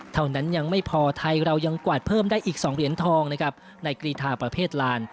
ยังไม่พอไทยเรายังกวาดเพิ่มได้อีก๒เหรียญทองนะครับในกรีธาประเภทลาน